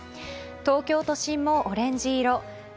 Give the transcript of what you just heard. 東京都心もオレンジ色。